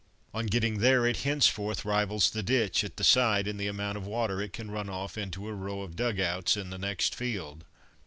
On getting there it henceforth rivals the ditch at the side in the amount of water it can run off into a row of dug outs in the next field.